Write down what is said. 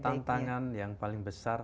tantangan yang paling besar